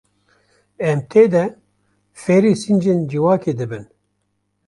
Em tê de, fêrî sincên civakê dibin.